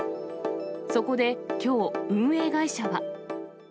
そこできょう、運営会社は。